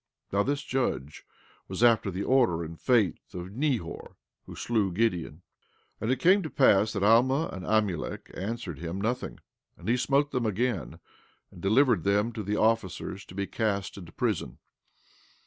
14:16 Now this judge was after the order and faith of Nehor, who slew Gideon. 14:17 And it came to pass that Alma and Amulek answered him nothing; and he smote them again, and delivered them to the officers to be cast into prison.